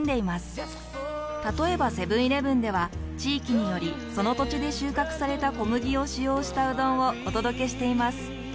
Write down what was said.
例えばセブンーイレブンでは地域によりその土地で収穫された小麦を使用したうどんをお届けしています。